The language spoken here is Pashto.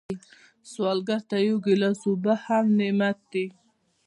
سوالګر ته یو ګیلاس اوبه هم نعمت دی